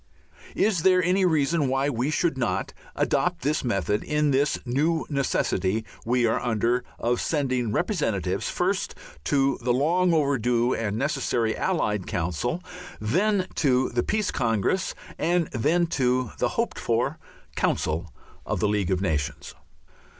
Is there any reason why we should, not adopt this method in this new necessity we are under of sending representatives, first, to the long overdue and necessary Allied Council, then to the Peace Congress, and then to the hoped for Council of the League of Nations?